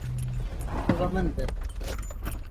Babamındı.